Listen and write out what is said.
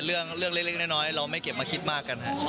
เรื่องเล็กน้อยเราไม่เก็บมาคิดมากกันครับ